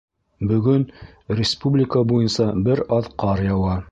Бөгөн республика буйынса бер аҙ ҡар яуа.